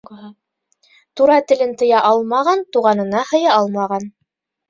Тура телен тыя алмаған туғанына һыя алмаған.